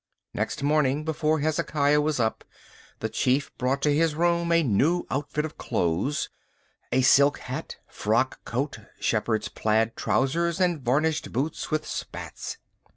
Next morning, before Hezekiah was up, the chief brought to his room a new outfit of clothes—a silk hat, frock coat, shepherd's plaid trousers and varnished boots with spats.